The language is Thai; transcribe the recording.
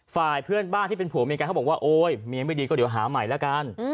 ฝ่ายเพื่อนบ้านที่เป็นผัวเมียกันเขาบอกว่าโอ๊ยเมียไม่ดีก็เดี๋ยวหาใหม่แล้วกัน